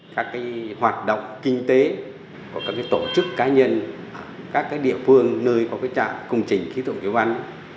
các hoạt động kinh tế của các tổ chức cá nhân các địa phương nơi có tổ chức khí tượng thủy văn